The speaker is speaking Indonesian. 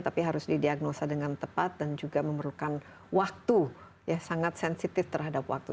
tapi harus didiagnosa dengan tepat dan juga memerlukan waktu ya sangat sensitif terhadap waktu